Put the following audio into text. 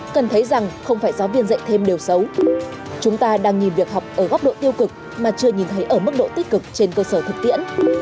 cần thấy rằng không phải giáo viên dạy thêm đều xấu chúng ta đang nhìn việc học ở góc độ tiêu cực mà chưa nhìn thấy ở mức độ tích cực trên cơ sở thực tiễn